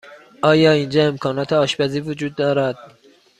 آیا اینجا امکانات آشپزی وجود دارد؟